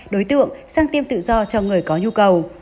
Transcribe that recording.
đối tượng sang tiêm tự do cho người có nhu cầu